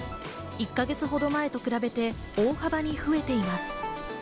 １か月ほど前と比べて大幅に増えています。